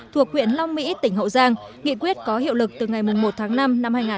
thuộc huyện long mỹ tỉnh hậu giang nghị quyết có hiệu lực từ ngày một tháng năm năm hai nghìn hai mươi